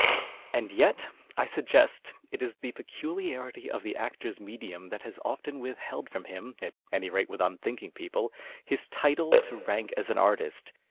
And yet, I suggest, it is the j^eeuliarity of the actor's medium that has often witliheld from him, at any rate with unthinking people, his title to rank as an artist.